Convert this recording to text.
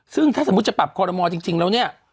ซึ่งถ้าสมมุติจะปรับคอรมอลจริงแล้วเนี่ย